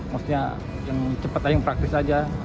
maksudnya yang cepat yang praktis saja